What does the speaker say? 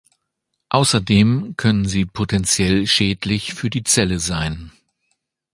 Außerdem können sie potentiell schädlich für die Zelle sein.